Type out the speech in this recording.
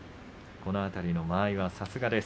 この辺りの間合いはさすがです。